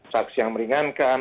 saksi yang meringankan